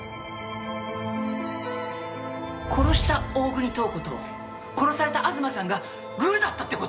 殺した大國塔子と殺された東さんがグルだったって事！？